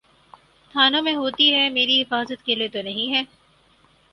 تھانوں میں ہوتی ہو، میری حفاظت کے لیے تو نہیں ہے۔